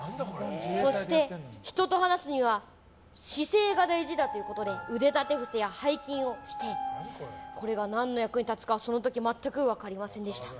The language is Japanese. そして、人と話すには姿勢が大事だということで腕立て伏せや背筋をしてこれが何の役に立つかその時、全く分かりませんでした。